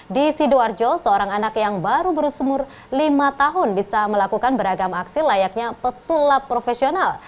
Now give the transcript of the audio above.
di sidoarjo seorang anak yang baru berumur lima tahun bisa melakukan beragam aksi layaknya pesulap profesional